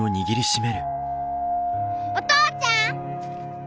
お父ちゃん！